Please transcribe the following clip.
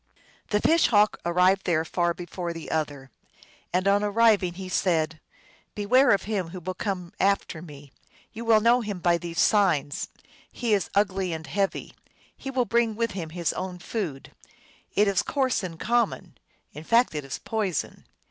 The Fish Hawk arrived there far before the other. And on arriving he said, " Beware of him who will come after me. You will know him by these signs : he is ugly and heavy ; he will bring with him his own food. It is coarse and common ; in fact it is poison.